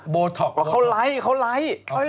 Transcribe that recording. โบท็อกโบท็อกเขาไล่เขาไล่